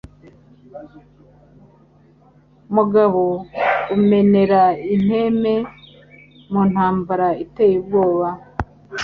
Mugabo umenera inteme mu ntambara iteye ubwoba